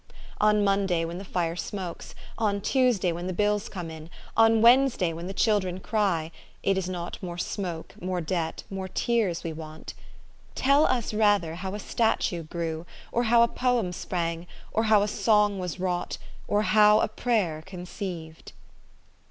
On Monday when the fire smokes, on Tuesday when the bills come in, on "Wednesday when the children cry, it is not more smoke, more debt, more tears, we want : tell us, rather, how a statue grew, or how a poem sprang, or how a song was wrought, or how a prayer conceived.